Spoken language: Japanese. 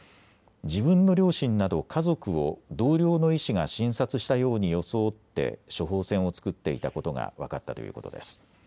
自分の両親など家族を同僚の医師が診察したように装って処方箋を作っていたことが分かったということです。